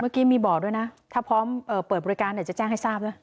เมื่อกี้มีบ่อด้วยนะถ้าพร้อมเปิดบริการจะแจ้งให้ทราบด้วย